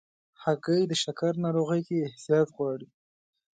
هګۍ د شکر ناروغۍ کې احتیاط غواړي.